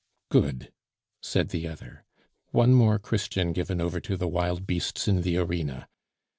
"Good!" said the other, "one more Christian given over to the wild beasts in the arena.